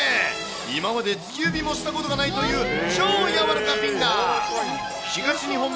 今まで突き指もしたことがないという超柔らかフィンガー。